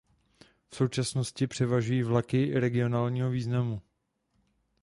I v současnosti převažují vlaky regionálního významu.